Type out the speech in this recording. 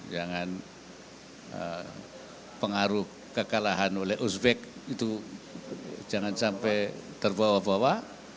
jangan pengaruh kekalahan oleh uzbek itu jangan sampai terbawa bawa